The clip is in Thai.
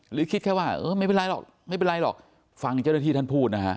คิดแค่ว่าเออไม่เป็นไรหรอกไม่เป็นไรหรอกฟังเจ้าหน้าที่ท่านพูดนะฮะ